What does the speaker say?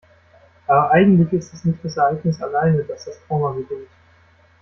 Aber eigentlich ist es nicht das Ereignis alleine, das das Trauma bedingt.